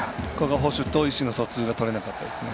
捕手と意思の疎通が取れなかったですね。